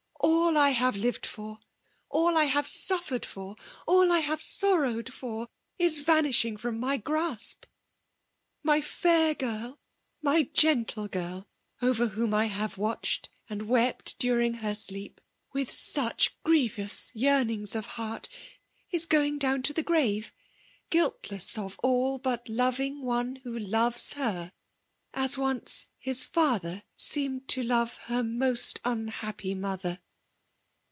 AIL I have lived for^ « «ll I hwfe suffered ibr, — all L have sorrowed for, — ^is vanishing from my grasp! My finr girb ^my gentle girl — she over whom I have watched and wept during her sleep, with such grievous yearnings, of heart^—is going down to iiie grave, guOtless of oU but loving one wha laves her^ as once his fiftther seemed to love her most unhappy mother